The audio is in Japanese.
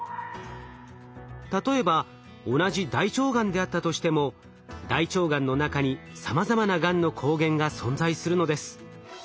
例えば同じ大腸がんであったとしても大腸がんの中にさまざまながんの抗原が存在するのです。